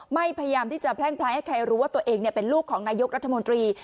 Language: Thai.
พยายามที่จะแพร่งพลายให้ใครรู้ว่าตัวเองเป็นลูกของนายกรัฐมนตรี